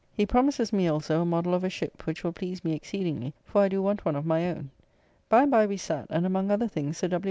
He promises me also a modell of a ship, which will please me exceedingly, for I do want one of my own. By and by we sat, and among other things Sir W.